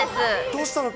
どうしたの？